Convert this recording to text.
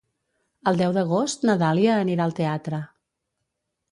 El deu d'agost na Dàlia anirà al teatre.